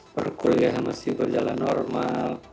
perkuliahan masih berjalan normal